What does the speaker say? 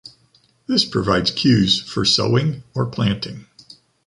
This provides cues for sowing or planting.